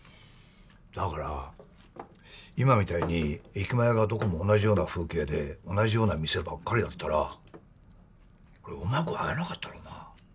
だから今みたいに駅前がどこも同じような風景で同じような店ばっかりだったら俺うまく会えなかったろうな。